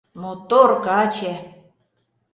Мотор каче!